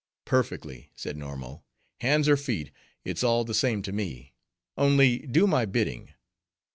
'Perfectly,' said Normo, 'hands or feet, it's all the same to me; only do my bidding.